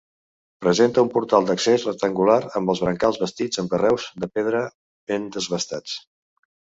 Presenta un portal d'accés rectangular, amb els brancals bastits amb carreus de pedra ben desbastats.